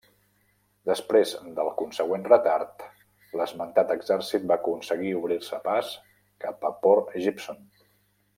Després del consegüent retard, l'esmentat exèrcit va aconseguir obrir-se pas cap a Port Gibson.